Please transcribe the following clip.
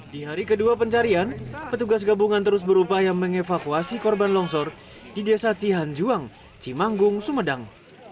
di hari kedua pencarian petugas gabungan terus berupaya mengevakuasi korban longsor di desa cihanjuang cimanggung sumedang